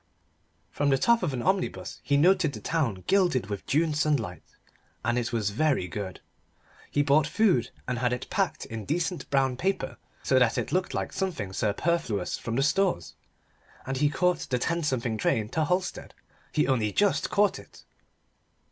From the top of an omnibus he noted the town gilded with June sunlight. And it was very good. He bought food, and had it packed in decent brown paper, so that it looked like something superfluous from the stores. And he caught the ten something train to Halstead. He only just caught it.